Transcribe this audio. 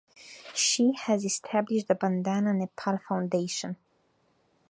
She has established the Bandana Nepal Foundation.